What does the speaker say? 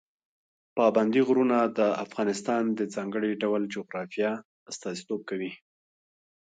پابندی غرونه د افغانستان د ځانګړي ډول جغرافیه استازیتوب کوي.